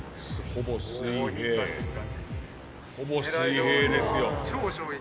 ほぼ水平ですよ。